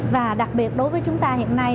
và đặc biệt đối với chúng ta hiện nay